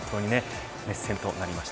熱戦となりました。